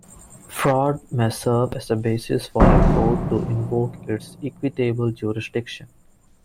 Fraud may serve as a basis for a court to invoke its equitable jurisdiction.